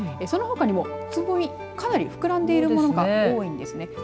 そのほかにもつぼみかなり膨らんでいるものが多いんですね。